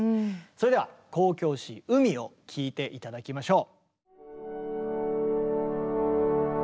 それでは交響詩「海」を聴いて頂きましょう。